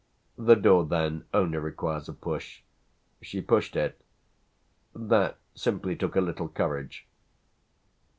The door then only requires a push. She pushed it that simply took a little courage."